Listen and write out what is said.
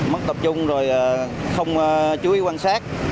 mất tập trung rồi không chú ý quan sát